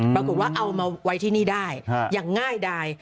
ปรากฏว่าเอามาไว้ที่นี่ได้อย่างง่ายดาย